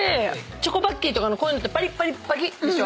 チョコバッキーとかのこういうのってパリパリバキッでしょ。